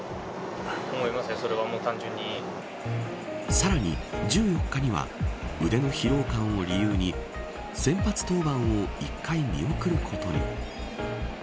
さらに１４日には腕の疲労感を理由に先発登板を１回見送ることに。